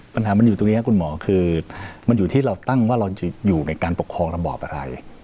ปัญหามันอยู่ตรงนี้ครับคุณหมอคือมันอยู่ที่เราตั้งว่าเราจะอยู่ในการปกครองระบอบอะไร